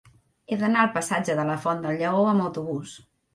He d'anar al passatge de la Font del Lleó amb autobús.